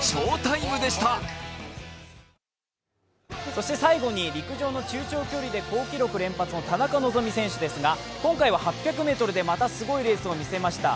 そして最後に陸上の中長距離で好記録連発の田中希実選手ですが、今回は８００ｍで、またすごいレースを見せました。